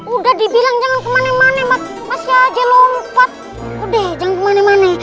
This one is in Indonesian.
udah dibilang jangan kemana mana masnya aja lompat udah jangan kemana mana